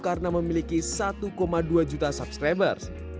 karena memiliki satu dua juta subscribers